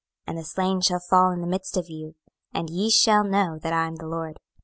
26:006:007 And the slain shall fall in the midst of you, and ye shall know that I am the LORD.